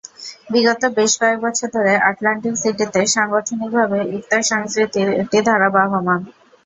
বিগত বেশ কয়েক বছর ধরে আটলান্টিক সিটিতে সাংগঠনিকভাবে ইফতার সংস্কৃতির একটি ধারা বহমান।